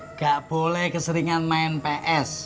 nggak boleh keseringan main ps